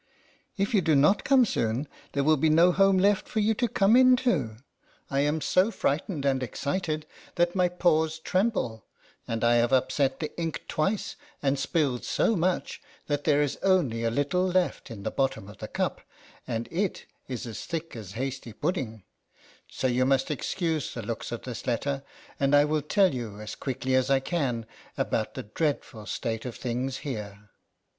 If you do not come soon there will be no home left for you to come into. I am so frightened and excited, that my paws tremble, and I have upset the ink twice, and spilled so much that there is only a little left in the bottom of the cup, and 36 LETTERS FROM A CAT. it is as thick as hasty pudding; so you must excuse the looks of this letter, and I will tell you as quickly as I can about the dreadful state of things here.